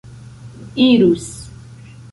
irus